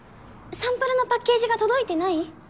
サンプルのパッケージが届いてない！？